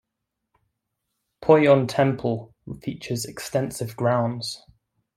Pohyon temple features extensive grounds.